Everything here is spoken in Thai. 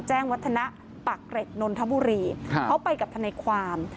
วัฒนะปากเกร็ดนนทบุรีเขาไปกับทนายความ